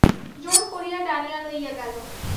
জোর করিয়া টানিয়া লইয়া গেল।